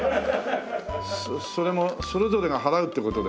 それもそれぞれが払うって事で。